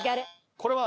これは。